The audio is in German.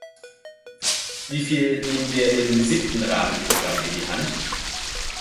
Wie viel nehmen wir im Siebten Rahmenprogramm in die Hand?